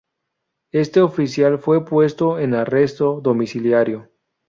Este oficial fue puesto en arresto domiciliario.